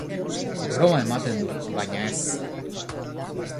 Broma ematen du, baina ez!